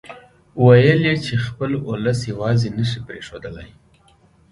ويل يې چې خپل اولس يواځې نه شي پرېښودلای.